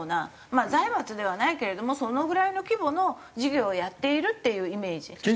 まあ財閥ではないけれどもそのぐらいの規模の事業をやっているっていうイメージ。